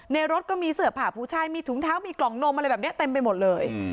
รถก็มีเสือผ่าผู้ชายมีถุงเท้ามีกล่องนมอะไรแบบนี้เต็มไปหมดเลย